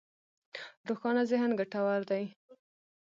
روښانه ذهن ګټور دی.